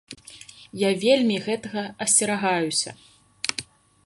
Я вельмі гэтага асцерагаюся.